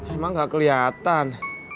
emang gak keliatan